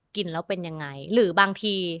กินแล้วเป็นยังไงหรือบางที